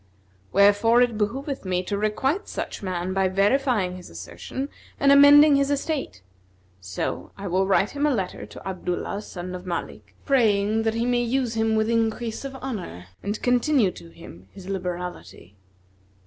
Wherefore it behoveth me to requite such man by verifying his assertion and amending his estate; so I will write him a letter to Abdullah son of Malik, praying that he may use him with increase of honour and continue to him his liberality."